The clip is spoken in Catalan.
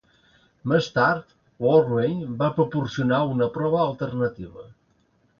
Més tard, Borwein va proporcionar una prova alternativa.